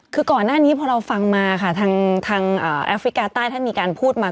คือก่อนหน้านี้พอเราฟังมาค่ะทางแอฟริกาใต้ท่านมีการพูดมา